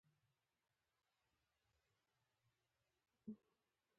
چي د دام پر سر یې غټ ملخ ته پام سو